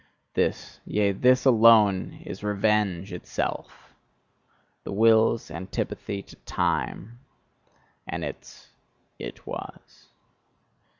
This, yea, this alone is REVENGE itself: the Will's antipathy to time, and its "It was."